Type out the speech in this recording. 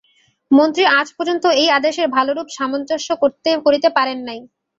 মন্ত্রী আজ পর্যন্ত এই আদেশের ভালোরূপ সামঞ্জস্য করিতে পারেন নাই।